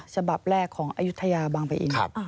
ฉบับแรกของอายุทยาบางปะอิน